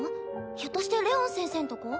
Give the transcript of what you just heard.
ひょっとしてレオン先生んとこ？